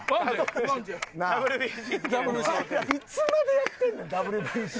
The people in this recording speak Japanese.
いつまでやってんねんＷＢＣ。